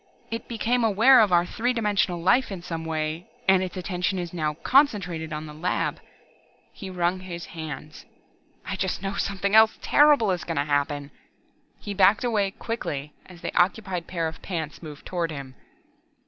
It became aware of our three dimensional life in some way, and its attention is now concentrated on the laboratory!" He wrung his hands. "I just know something else terrible is going to happen!" He backed away quickly as the occupied pair of pants moved toward him.